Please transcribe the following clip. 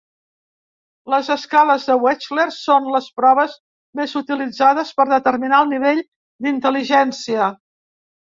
Les escales de Wechsler són les proves més utilitzades per determinar el nivell d'intel·ligència.